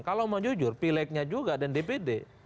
kalau mau jujur pileknya juga dan dpd